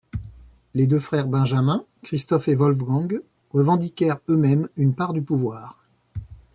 Les deux frères benjamins, Christophe et Wolfgang revendiquèrent eux-mêmes une part du pouvoir.